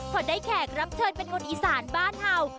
พอได้แขกรับเชิญเป็นคนอีสานบ้านเห่า